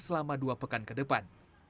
selama dua pekan ke depan